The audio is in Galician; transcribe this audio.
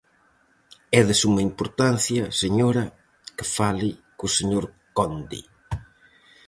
-É de suma importancia, señora, que fale co señor conde...